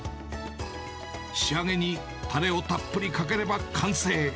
仕上げにたれをたっぷりかければ完成。